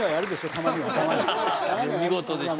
たまには見事でした